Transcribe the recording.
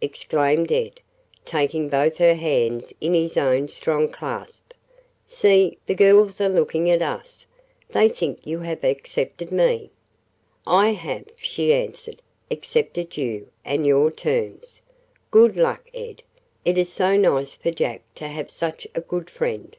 exclaimed Ed, taking both her hands in his own strong clasp. "See, the girls are looking at us. They think you have accepted me." "I have," she answered, "accepted you, and your terms. Good luck, Ed. It is so nice for Jack to have such a good friend."